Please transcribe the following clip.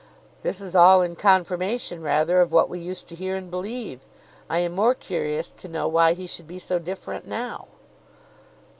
This is all in confirmation, rather, of what we used to hear and believe. I am more curious to know why he should be so different now."